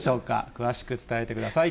詳しく伝えてください。